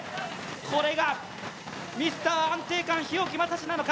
これがミスター安定感日置将士なのか？